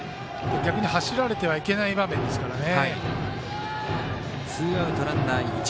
逆に走られてはいけない場面ですからね。